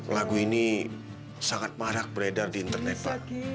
lagu ini sangat marah beredar di internet pak